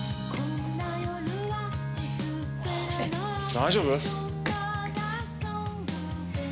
大丈夫？